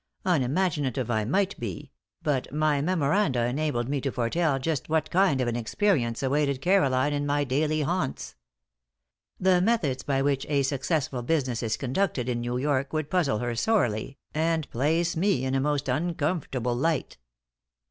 Unimaginative I might be, but my memoranda enabled me to foretell just what kind of an experience awaited Caroline in my daily haunts. The methods by which a successful business is conducted in New York would puzzle her sorely, and place me in a most uncomfortable light.